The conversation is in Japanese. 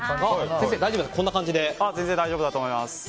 先生、こんな感じで全然、大丈夫だと思います。